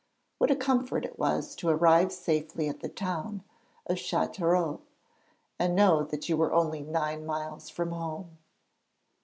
What a comfort it was to arrive safely at the town of Châteauroux, and know that you were only nine miles from home!